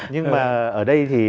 nhưng mà ở đây thì